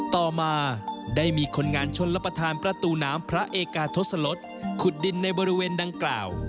ต่อมาได้มีคนงานชนรับประทานประตูน้ำพระเอกาทศลศขุดดินในบริเวณดังกล่าว